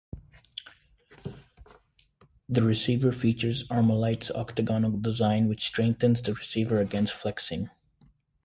The receiver features Armalite's octagonal design, which strengthens the receiver against flexing.